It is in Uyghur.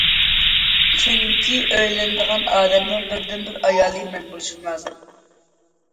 چۈنكى، ئۆيلىنىدىغان ئادەمنىڭ بىردىنبىر ئايالى مەن بولۇشۇم لازىم.